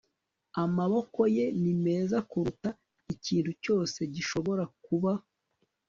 amaboko ye ni meza kuruta ikintu cyose gishobora kuba